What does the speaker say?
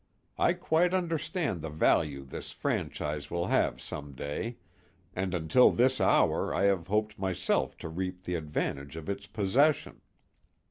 I quite understand the value this franchise will have some day, and until this hour I have hoped myself to reap the advantage of its possession.